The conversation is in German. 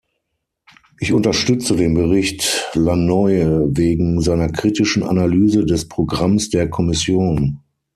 Ich unterstütze den Bericht Lannoye wegen seiner kritischen Analyse des Programms der Kommission.